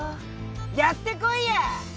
やってこいや！